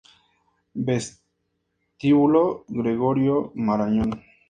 Vestíbulo Gregorio Marañón